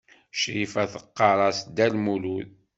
Crifa teɣɣar-as Dda Lmulud.